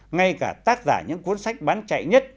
ngay cả tác giả những cuốn sách bán chạy nhất